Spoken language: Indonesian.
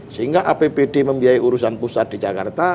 sehingga apbd membiayai urusan pusat di jakarta